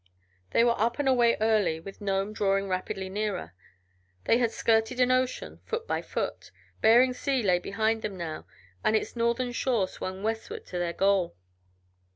They were up and away early, with Nome drawing rapidly nearer. They had skirted an ocean, foot by foot; Bering Sea lay behind them, now, and its northern shore swung westward to their goal.